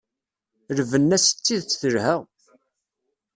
Lbenna-s d tidet telha!